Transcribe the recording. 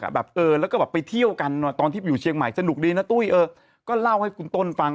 แบบเออแล้วก็แบบไปเที่ยวกันตอนที่ไปอยู่เชียงใหม่สนุกดีนะตุ้ยเออก็เล่าให้คุณต้นฟัง